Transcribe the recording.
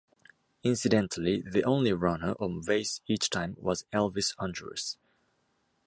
Incidentally, the only runner on base each time was Elvis Andrus.